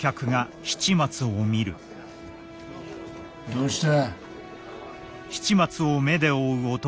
どうした？